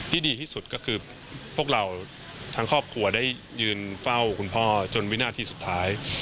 ดีที่สุดก็คือพวกเราทั้งครอบครัวได้ยืนเฝ้าคุณพ่อจนวินาทีสุดท้าย